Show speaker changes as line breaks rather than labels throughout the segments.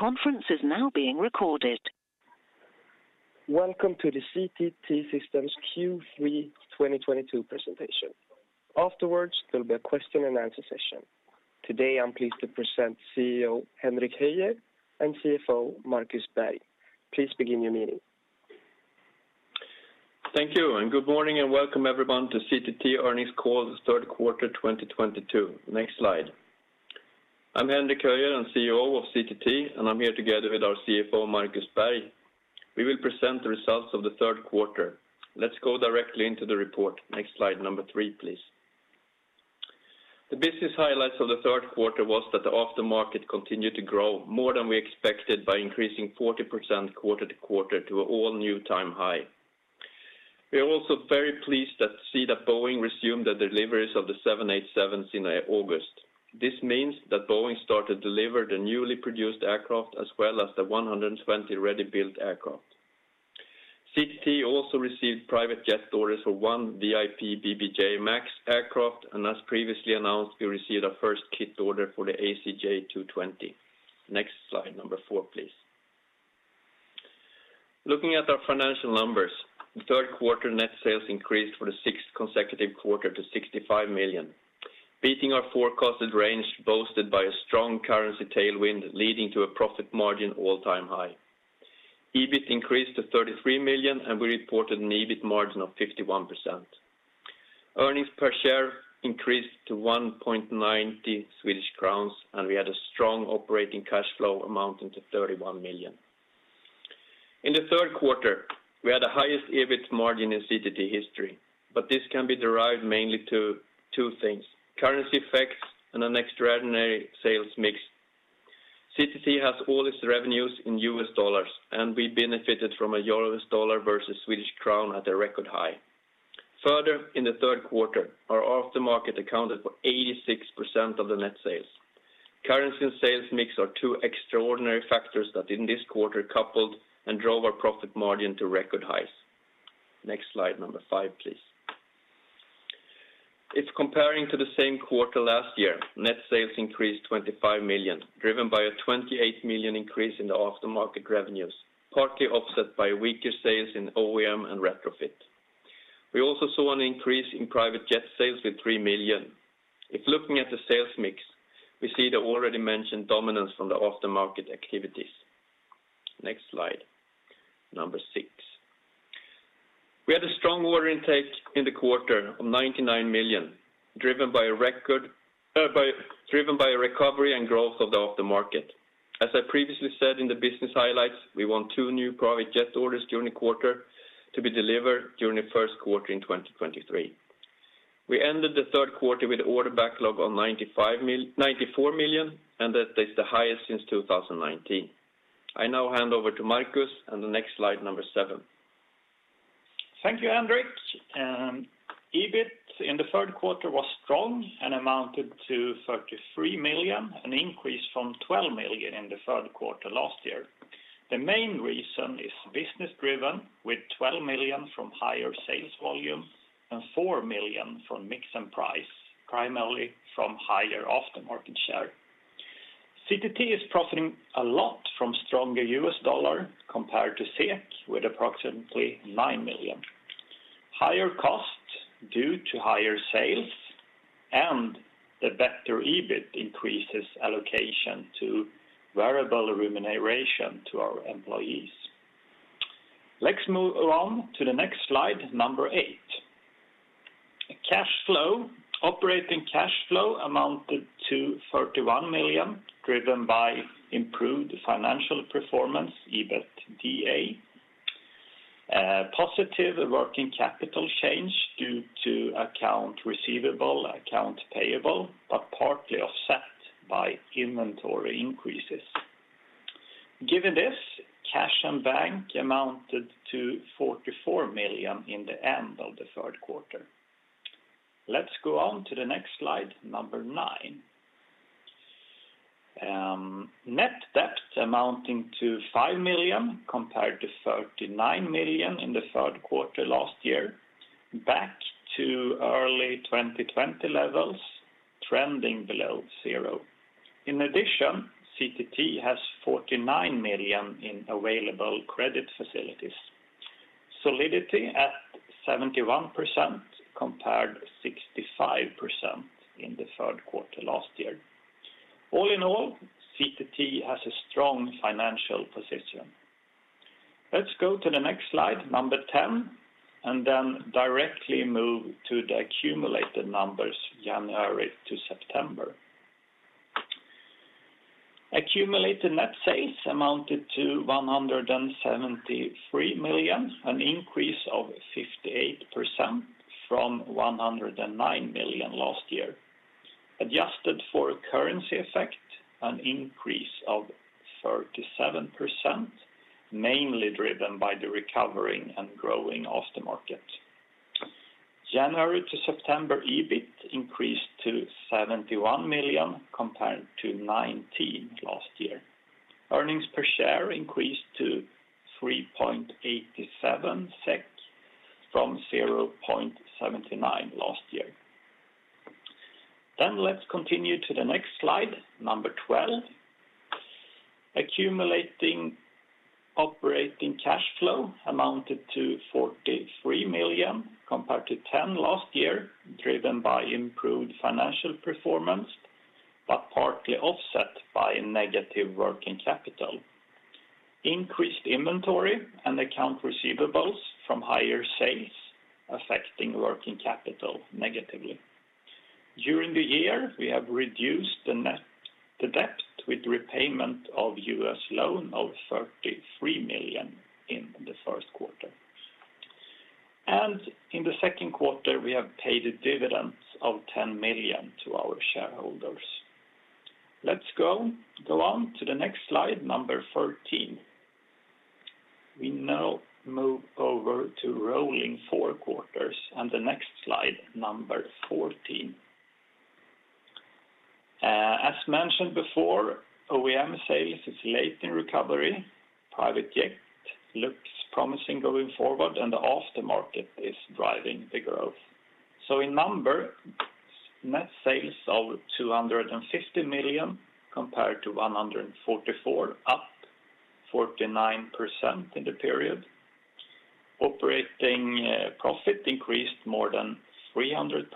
The conference is now being recorded. Welcome to the CTT Systems Q3 2022 presentation. Afterwards, there'll be a question and answer session. Today, I'm pleased to present CEO Henrik Höjer and CFO Markus Berg. Please begin your meeting.
Thank you, and good morning, and welcome everyone to CTT Earnings Call Third Quarter 2022. Next slide. I'm Henrik Höjer, I'm CEO of CTT, and I'm here together with our CFO, Markus Berg. We will present the results of the third quarter. Let's go directly into the report. Next slide, number three, please. The business highlights of the third quarter was that the aftermarket continued to grow more than we expected by increasing 40% quarter-over-quarter to an all-time high. We are also very pleased that we see that Boeing resumed the deliveries of the 787s in August. This means that Boeing started to deliver the newly produced aircraft as well as the 120 ready-built aircraft. CTT also received private jet orders for one VIP BBJ MAX aircraft, and as previously announced, we received our first kit order for the ACJ 220 Next slide, number four, please. Looking at our financial numbers, the third quarter net sales increased for the sixth consecutive quarter to 65 million, beating our forecasted range, boosted by a strong currency tailwind, leading to a profit margin all-time high. EBIT increased to 33 million, and we reported an EBIT margin of 51%. Earnings per share increased to 1.90 Swedish crowns, and we had a strong operating cash flow amounting to 31 million. In the third quarter, we had the highest EBIT margin in CTT history, but this can be derived mainly to two things, currency effects and an extraordinary sales mix. CTT has all its revenues in U.S. dollars, and we benefited from a Euro-U.S. dollar versus Swedish krona at a record high. Further, in the third quarter, our aftermarket accounted for 86% of the net sales. Currency and sales mix are two extraordinary factors that in this quarter coupled and drove our profit margin to record highs. Next slide, number five, please. If comparing to the same quarter last year, net sales increased 25 million, driven by a 28 million increase in the aftermarket revenues, partly offset by weaker sales in OEM and retrofit. We also saw an increase in private jet sales with 3 million. If looking at the sales mix, we see the already mentioned dominance on the aftermarket activities. Next slide, number six. We had a strong order intake in the quarter of 99 million, driven by a recovery and growth of the aftermarket. As I previously said in the business highlights, we won two new private jet orders during the quarter to be delivered during the first quarter in 2023. We ended the third quarter with order backlog of 94 million, and that is the highest since 2019. I now hand over to Markus on the next slide, number seven.
Thank you, Henrik. EBIT in the third quarter was strong and amounted to 33 million, an increase from 12 million in the third quarter last year. The main reason is business-driven, with 12 million from higher sales volume and 4 million from mix and price, primarily from higher aftermarket share. CTT is profiting a lot from stronger U.S. dollar compared to SEK, with approximately 9 million. Higher costs due to higher sales and the better EBIT increases allocation to variable remuneration to our employees. Let's move along to the next slide, number eight. Cash flow. Operating cash flow amounted to 31 million, driven by improved financial performance, EBITDA. Positive working capital change due to accounts receivable, accounts payable, but partly offset by inventory increases. Given this, cash and bank amounted to 44 million in the end of the third quarter. Let's go on to the next slide, number nine. Net debt amounting to 5 million compared to 39 million in the third quarter last year, back to early 2020 levels, trending below zero. In addition, CTT has 49 million in available credit facilities. Solidity at 71% compared 65% in the third quarter last year. All in all, CTT has a strong financial position. Let's go to the next slide, number 10, and then directly move to the accumulated numbers, January to September. Accumulated net sales amounted to 173 million, an increase of 58% from 109 million last year. Adjusted for a currency effect, an increase of 37%, mainly driven by the recovering and growing aftermarket. January to September, EBIT increased to 71 million compared to 19 million last year. Earnings per share increased to 3.87 SEK from 0.79 last year. Let's continue to the next slide, number 12. Accumulating operating cash flow amounted to 43 million compared to 10 million last year, driven by improved financial performance, but partly offset by negative working capital. Increased inventory and accounts receivable from higher sales affecting working capital negatively. During the year, we have reduced the net debt with repayment of U.S. loan of 33 million in the first quarter. In the second quarter, we have paid a dividend of 10 million to our shareholders. Let's go on to the next slide, number 13. We now move over to rolling four quarters and the next slide, number 14. As mentioned before, OEM sales is late in recovery. Private jet looks promising going forward, and the aftermarket is driving the growth. In number, net sales of 250 million compared to 144 million, up 49% in the period. Operating profit increased more than 300%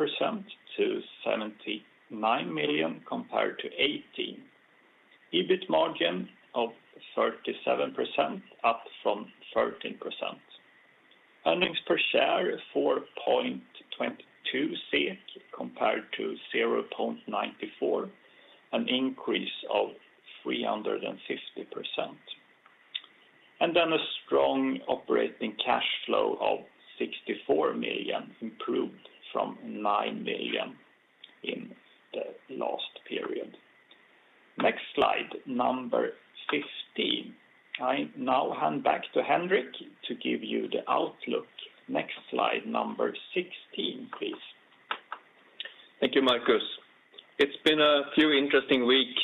to 79 million compared to 18 million. EBIT margin of 37%, up from 13%. Earnings per share, 4.22 compared to 0.94, an increase of 350%. A strong operating cash flow of 64 million, improved from 9 million in the last period. Next slide, number 15. I now hand back to Henrik to give you the outlook. Next slide, number 16, please.
Thank you, Markus. It's been a few interesting weeks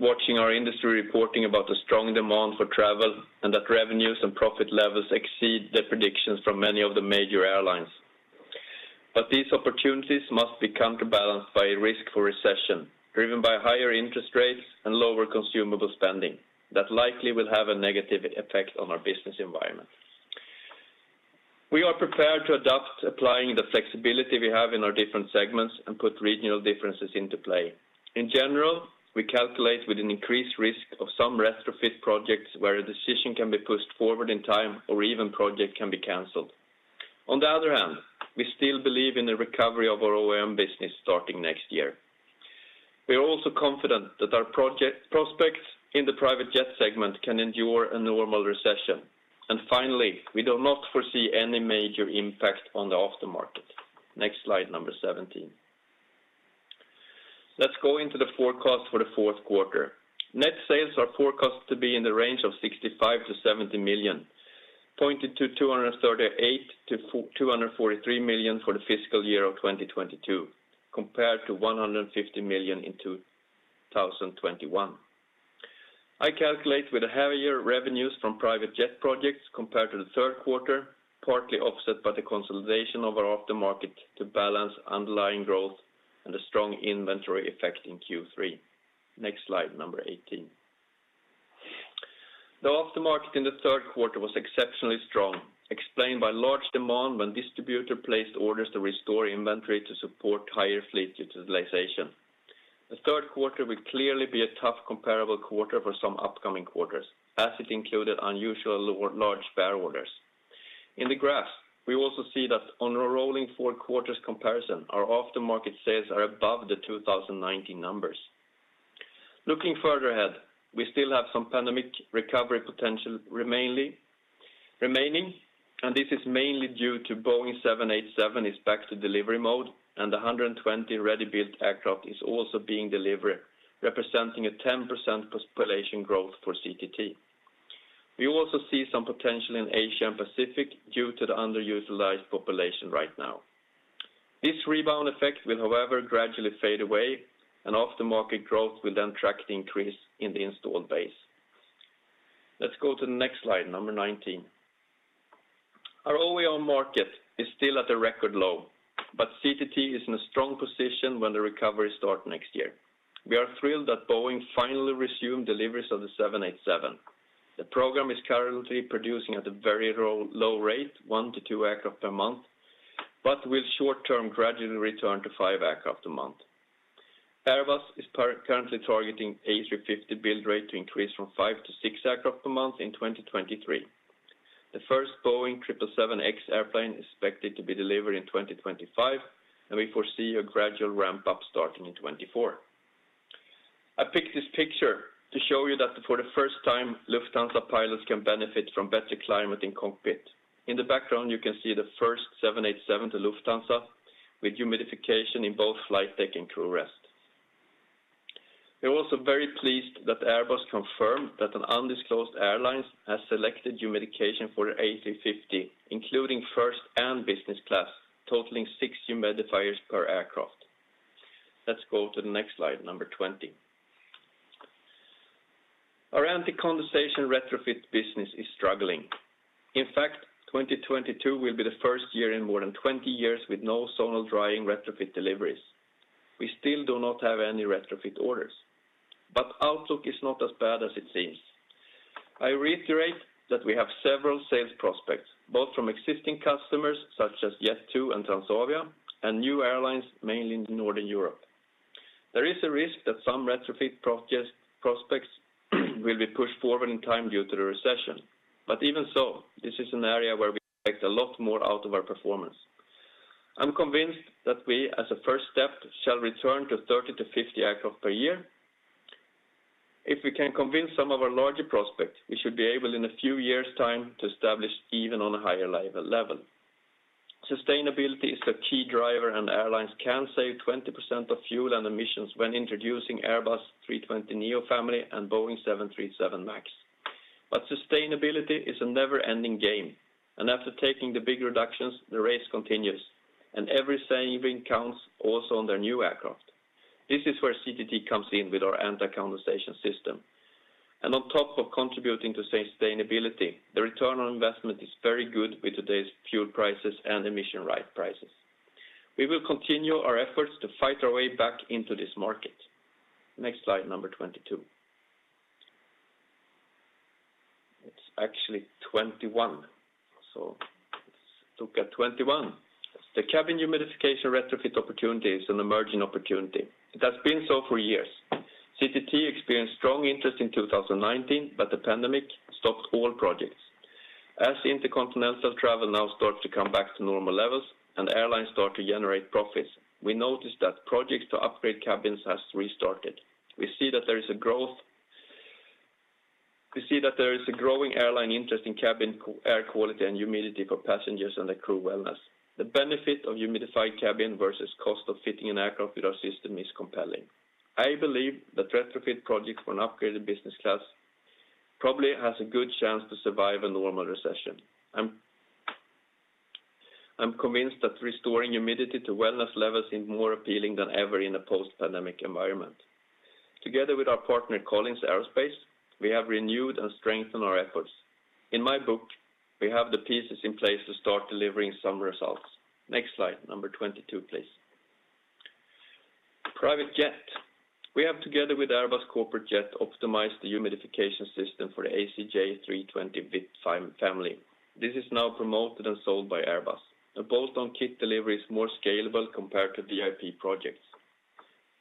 watching our industry reporting about the strong demand for travel and that revenues and profit levels exceed the predictions from many of the major airlines. These opportunities must be counterbalanced by a risk for recession, driven by higher interest rates and lower consumer spending that likely will have a negative effect on our business environment. We are prepared to adapt applying the flexibility we have in our different segments and put regional differences into play. In general, we calculate with an increased risk of some retrofit projects where a decision can be pushed forward in time or even project can be canceled. On the other hand, we still believe in the recovery of our OEM business starting next year. We are also confident that our project prospects in the private jet segment can endure a normal recession. Finally, we do not foresee any major impact on the aftermarket. Next slide, number 17. Let's go into the forecast for the fourth quarter. Net sales are forecast to be in the range of 65 million-70 million, pointing to 238 million-243 million for the fiscal year of 2022, compared to 150 million in 2021. I calculate with heavier revenues from private jet projects compared to the third quarter, partly offset by the consolidation of our aftermarket to balance underlying growth and a strong inventory effect in Q3. Next slide, number 18. The aftermarket in the third quarter was exceptionally strong, explained by large demand when distributors placed orders to restore inventory to support higher fleet utilization. The third quarter will clearly be a tough comparable quarter for some upcoming quarters, as it included unusual large spare orders. In the graph, we also see that on a rolling four quarters comparison, our aftermarket sales are above the 2019 numbers. Looking further ahead, we still have some pandemic recovery potential remaining, and this is mainly due to Boeing 787 is back to delivery mode, and the 120 ready-built aircraft is also being delivered, representing a 10% population growth for CTT. We also see some potential in Asia and Pacific due to the underutilized population right now. This rebound effect will, however, gradually fade away, and aftermarket growth will then track the increase in the installed base. Let's go to the next slide, number 19. Our OEM market is still at a record low, but CTT is in a strong position when the recovery starts next year. We are thrilled that Boeing finally resumed deliveries of the 787. The program is currently producing at a very low rate, one to two aircraft per month, but will short term gradually return to five aircraft a month. Airbus is currently targeting A350 build rate to increase from five to six aircraft a month in 2023. The first Boeing 777X airplane is expected to be delivered in 2025, and we foresee a gradual ramp up starting in 2024. I picked this picture to show you that for the first time, Lufthansa pilots can benefit from better climate in cockpit. In the background, you can see the first 787 to Lufthansa with humidification in both flight deck and crew rest. We're also very pleased that Airbus confirmed that an undisclosed airlines has selected humidification for A350, including first and business class, totaling six humidifiers per aircraft. Let's go to the next slide, number 20. The anti-condensation retrofit business is struggling. In fact, 2022 will be the first year in more than 20 years with no Zonal Drying retrofit deliveries. We still do not have any retrofit orders, but outlook is not as bad as it seems. I reiterate that we have several sales prospects, both from existing customers such as Jet2 and Transavia, and new airlines, mainly in Northern Europe. There is a risk that some retrofit prospects will be pushed forward in time due to the recession. Even so, this is an area where we expect a lot more out of our performance. I'm convinced that we, as a first step, shall return to 30 to 50 aircraft per year. If we can convince some of our larger prospects, we should be able, in a few years' time, to establish even on a higher level. Sustainability is the key driver, and airlines can save 20% of fuel and emissions when introducing Airbus A320neo family and Boeing 737 MAX. Sustainability is a never-ending game, and after taking the big reductions, the race continues, and every saving counts also on their new aircraft. This is where CTT comes in with our anti-condensation system. On top of contributing to sustainability, the return on investment is very good with today's fuel prices and emission right prices. We will continue our efforts to fight our way back into this market. Next slide, number 22. It's actually 21. Let's look at 21. The cabin humidification retrofit opportunity is an emerging opportunity. It has been so for years. CTT experienced strong interest in 2019, but the pandemic stopped all projects. As intercontinental travel now starts to come back to normal levels and airlines start to generate profits, we notice that projects to upgrade cabins has restarted. We see that there is a growing airline interest in cabin air quality and humidity for passengers and the crew wellness. The benefit of humidified cabin versus cost of fitting an aircraft with our system is compelling. I believe that retrofit projects for an upgraded business class probably has a good chance to survive a normal recession. I'm convinced that restoring humidity to wellness levels is more appealing than ever in a post-pandemic environment. Together with our partner, Collins Aerospace, we have renewed and strengthened our efforts. In my book, we have the pieces in place to start delivering some results. Next slide, number 22, please. Private jet. We have, together with Airbus Corporate Jets, optimized the humidification system for the ACJ320 VIP family. This is now promoted and sold by Airbus. A bolt-on kit delivery is more scalable compared to VIP projects.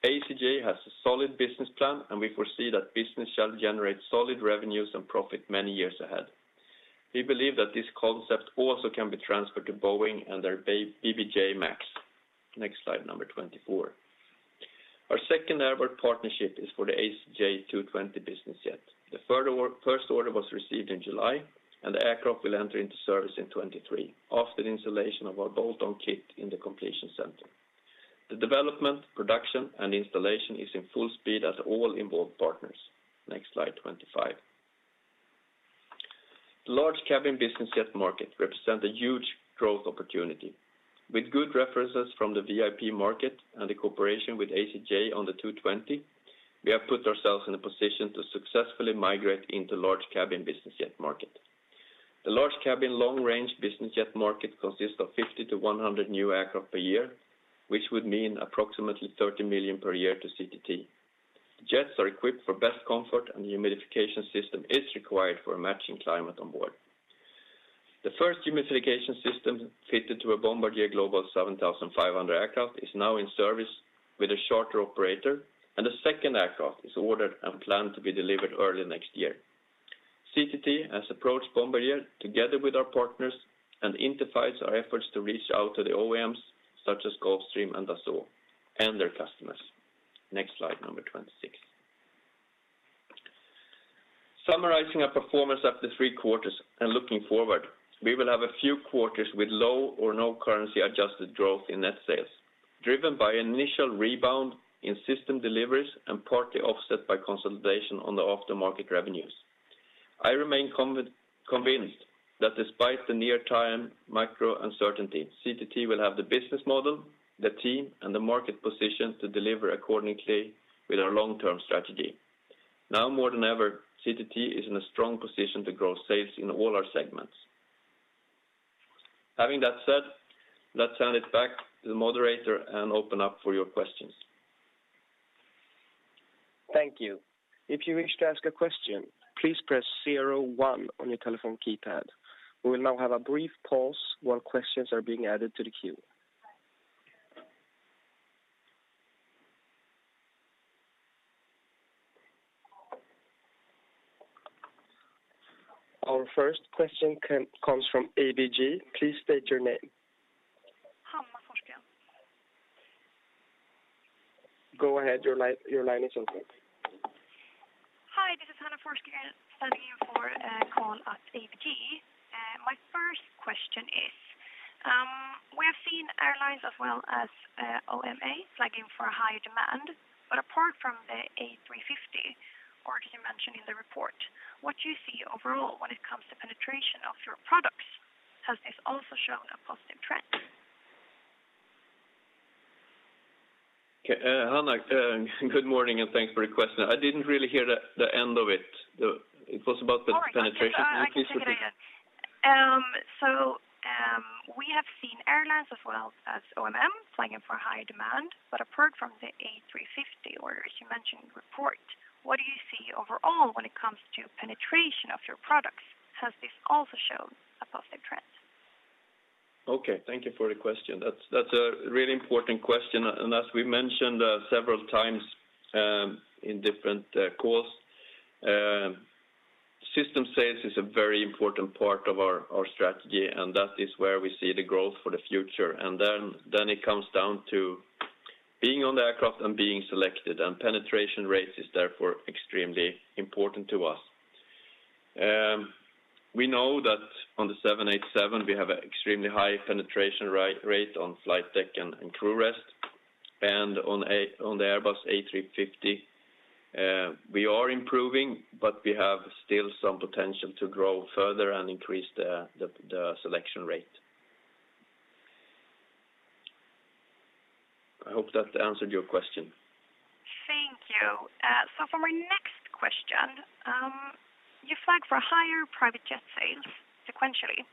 ACJ has a solid business plan, and we foresee that business shall generate solid revenues and profit many years ahead. We believe that this concept also can be transferred to Boeing and their BBJ MAX. Next slide, number 24. Our second airborne partnership is for the ACJ220 business jet. The first order was received in July, and the aircraft will enter into service in 2023 after the installation of our bolt-on kit in the completion center. The development, production, and installation is in full speed at all involved partners. Next slide, 25. The large cabin business jet market represent a huge growth opportunity. With good references from the VIP market and the cooperation with ACJ on the 220, we have put ourselves in a position to successfully migrate into large cabin business jet market. The large cabin long-range business jet market consists of 50 to 100 new aircraft per year, which would mean approximately 30 million per year to CTT. Jets are equipped for best comfort, and the humidification system is required for a matching climate on board. The first humidification system fitted to a Bombardier Global 7500 aircraft is now in service with a charter operator, and a second aircraft is ordered and planned to be delivered early next year. CTT has approached Bombardier together with our partners and intensifies our efforts to reach out to the OEMs, such as Gulfstream and Dassault, and their customers. Next slide, number 26. Summarizing our performance after three quarters and looking forward, we will have a few quarters with low or no currency-adjusted growth in net sales, driven by initial rebound in system deliveries and partly offset by consolidation on the aftermarket revenues. I remain convinced that despite the near-term macro uncertainty, CTT will have the business model, the team, and the market position to deliver accordingly with our long-term strategy. Now more than ever, CTT is in a strong position to grow sales in all our segments. Having that said, let's hand it back to the moderator and open up for your questions.
Thank you. If you wish to ask a question, please press zero one on your telephone keypad. We will now have a brief pause while questions are being added to the queue. Our first question comes from ABG. Please state your name.
Hanna Forsgren.
Go ahead. Your line is open.
Hi, this is Hanna Forsgren standing in for Karl at ABG. My first question is, we have seen airlines as well as OEMs flagging for a higher demand. Apart from the A350 already mentioned in the report, what do you see overall when it comes to penetration of your products? Has this also shown a positive trend?
Okay, Hanna, good morning, and thanks for the question. I didn't really hear the end of it. It was about the-
Sorry.
-penetration?
I can say that again. We have seen airlines as well as OEMs flagging for higher demand, but apart from the A350 order, as you mentioned in the report, what do you see overall when it comes to penetration of your products? Has this also shown a positive trend?
Okay, thank you for the question. That's a really important question. As we mentioned, several times, in different calls, system sales is a very important part of our strategy, and that is where we see the growth for the future. Then it comes down to being on the aircraft and being selected, and penetration rates is therefore extremely important to us. We know that on the 787, we have extremely high penetration rate on flight deck and crew rest. On the Airbus A350, we are improving, but we have still some potential to grow further and increase the selection rate. I hope that answered your question.
Thank you. For my next question, you flagged for higher private jet sales sequentially.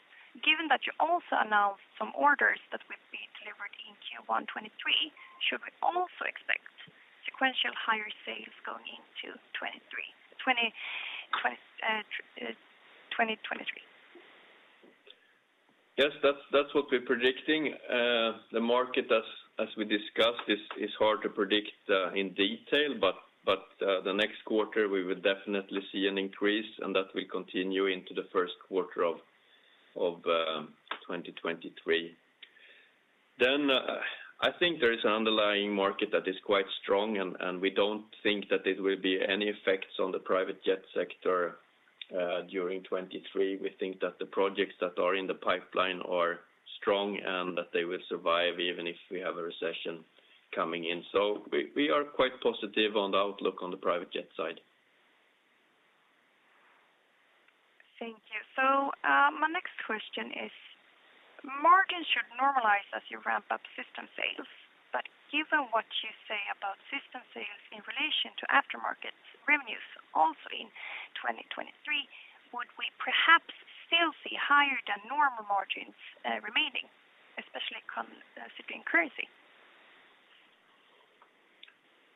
Given that you also announced some orders that will be delivered in Q1 2023, should we also expect sequential higher sales going into 2023?
Yes, that's what we're predicting. The market, as we discussed, is hard to predict in detail, but the next quarter we will definitely see an increase, and that will continue into the first quarter of 2023. I think there is an underlying market that is quite strong, and we don't think that there will be any effects on the private jet sector during 2023. We think that the projects that are in the pipeline are strong and that they will survive even if we have a recession coming in. We are quite positive on the outlook on the private jet side.
Thank you. My next question is, margin should normalize as you ramp up system sales. Given what you say about system sales in relation to aftermarket revenues, also in 2023, would we perhaps still see higher than normal margins remaining, especially considering currency?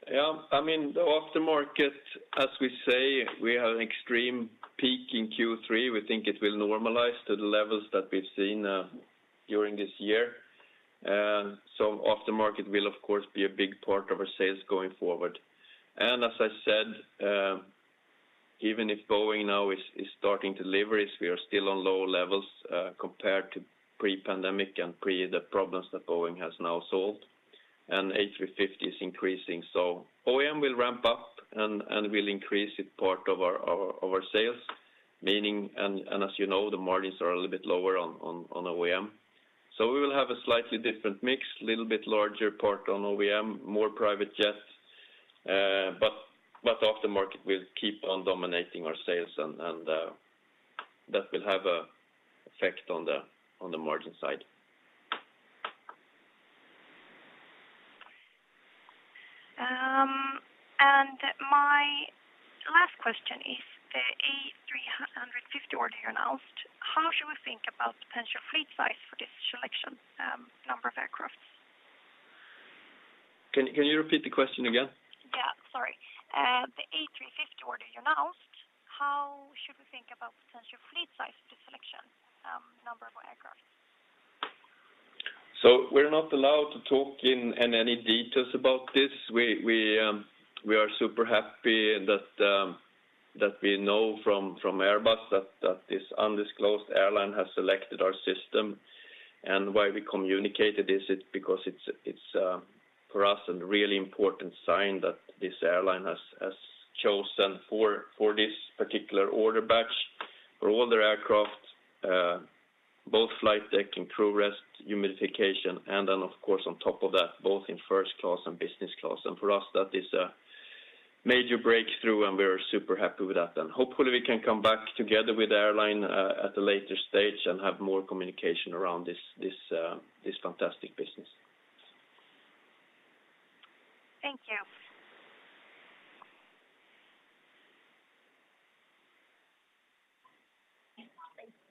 Yeah. I mean, the aftermarket, as we say, we have an extreme peak in Q3. We think it will normalize to the levels that we've seen during this year. Aftermarket will of course be a big part of our sales going forward. As I said, even if Boeing now is starting deliveries, we are still on low levels compared to pre-pandemic and pre the problems that Boeing has now solved. A350 is increasing. OEM will ramp up and will increase its part of our sales. Meaning, as you know, the margins are a little bit lower on OEM. We will have a slightly different mix, little bit larger part on OEM, more private jets. Aftermarket will keep on dominating our sales, and that will have an effect on the margin side.
My last question is the A350 order you announced. How should we think about potential fleet size for this selection, number of aircraft?
Can you repeat the question again?
Yeah. Sorry. The A350 order you announced, how should we think about potential fleet size of the selection, number of aircraft?
We're not allowed to talk in any details about this. We are super happy that we know from Airbus that this undisclosed airline has selected our system. Why we communicated this, it's because it's for us a really important sign that this airline has chosen for this particular order batch, for all their aircraft, both flight deck and crew rest humidification and then of course on top of that, both in first class and business class. For us, that is a major breakthrough, and we're super happy with that. Hopefully we can come back together with the airline at a later stage and have more communication around this fantastic business.
Thank you.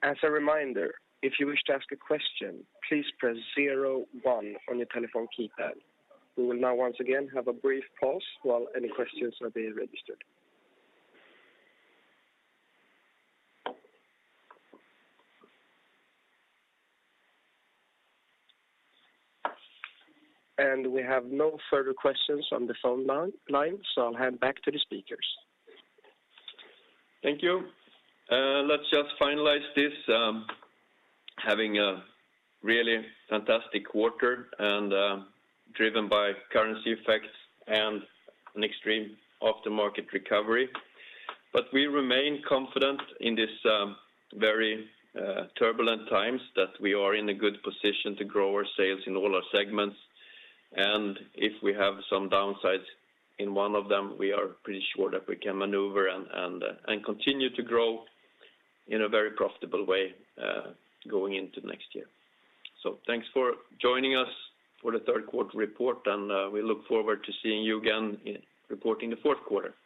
As a reminder, if you wish to ask a question, please press zero one on your telephone keypad. We will now once again have a brief pause while any questions are being registered. We have no further questions on the phone line, so I'll hand back to the speakers.
Thank you. Let's just finalize this. Having a really fantastic quarter and, driven by currency effects and an extreme aftermarket recovery. We remain confident in this very turbulent times that we are in a good position to grow our sales in all our segments. If we have some downsides in one of them, we are pretty sure that we can maneuver and continue to grow in a very profitable way, going into next year. Thanks for joining us for the third quarter report, and, we look forward to seeing you again in reporting the fourth quarter. Thank you.